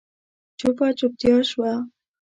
چوپه چوپتيا شوه.